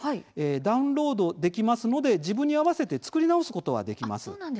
ダウンロードできますので自分に合わせて作り直すことはできます。